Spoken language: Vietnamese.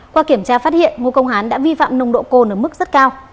qua kiểm tra phát hiện ngô công hán đã vi phạm nồng độ cồn ở mức rất cao